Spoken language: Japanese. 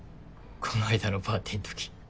この間のパーティーんとき。